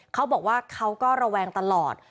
เขาบอกว่าเขาก็ระแวงตลอด